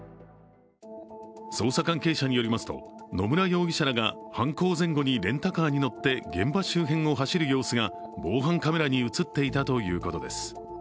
捜査関係者によりますと、野村容疑者らが犯行前後にレンタカーに乗って現場周辺を走る様子が防犯カメラに映っていたということです。